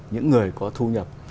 những người có thu nhập